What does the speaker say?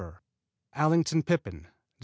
Allington Pippin Dec.